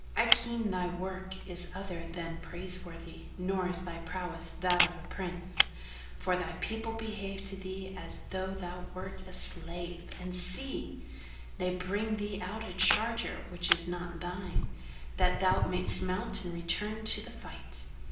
I ken thy work is other than praiseworthy nor is thy prowess that of a Prince; for thy people behave to thee as though thou wert a slave;[FN#449] and see! they bring thee out a charger which is not thine, that thou mayst mount and return to the fight.